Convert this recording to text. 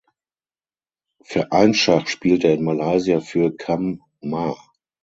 Vereinsschach spielt er in Malaysia für "Kam Mah".